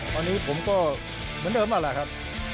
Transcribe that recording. ตอนนี้ผมก็เหมือนเดิมนั่นแหละครับ